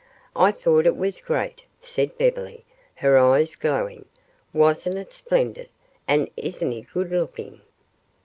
"I thought it was great," said Beverly, her eyes glowing. "Wasn't it splendid? And isn't he good looking?"